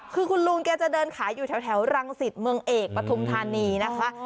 คือคุณลุงแกจะเดินขายอยู่แถวรังสิตเมืองเอกปฐุมธานีนะคะ